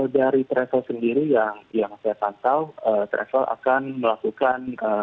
dari travel sendiri yang saya pantau travel akan melakukan